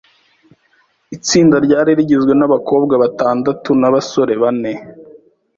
Itsinda ryari rigizwe nabakobwa batandatu nabasore bane.